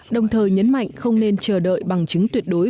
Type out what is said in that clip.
đồng thời nhấn mạnh không nên chờ đợi bằng chứng tuyệt đối